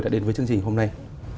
đã đến với chương trình hôm nay